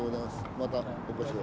またお越しを。